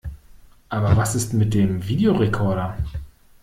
Aber was ist mit dem Videorekorder?